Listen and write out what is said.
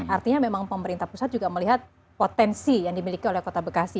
artinya memang pemerintah pusat juga melihat potensi yang dimiliki oleh kota bekasi